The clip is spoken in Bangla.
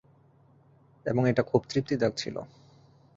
এবং এটা খুব তৃপ্তিদায়ক ছিল।